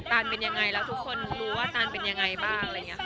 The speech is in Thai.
ตานเป็นยังไงแล้วทุกคนรู้ว่าตานเป็นยังไงบ้าง